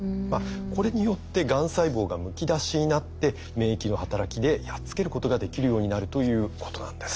これによってがん細胞がむき出しになって免疫の働きでやっつけることができるようになるということなんです。